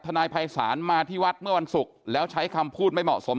นายภัยศาลมาที่วัดเมื่อวันศุกร์แล้วใช้คำพูดไม่เหมาะสม